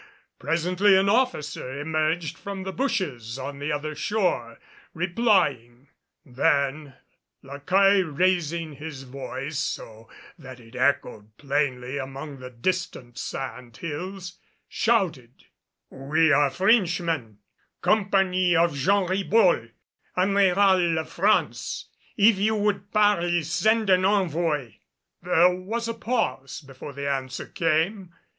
Presently an officer emerged from the bushes on the other shore, replying. Then La Caille raising his voice so that it echoed plainly among the distant sand hills, shouted, "We are Frenchmen, company of Jean Ribault, Admiral of France. If you would parley, send an envoy." There was a pause before the answer came.